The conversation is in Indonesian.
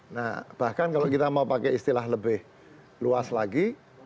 nah bahkan kalau kita mau pakai istilah lebih luas lagi